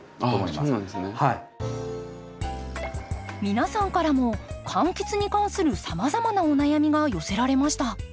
皆さんからも柑橘に関するさまざまなお悩みが寄せられました。